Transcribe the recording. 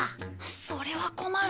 それは困る。